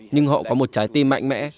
nhưng họ có một trái tim mạnh mẽ